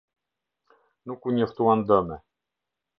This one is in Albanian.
Nuk u njoftuan dëme.